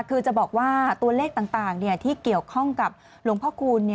คือจะบอกว่าตัวเลขต่างที่เกี่ยวข้องกับหลวงพ่อคูณ